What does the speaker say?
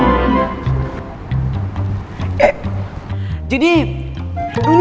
aturan adat dan istiadat yang ada di sma dua garuda ini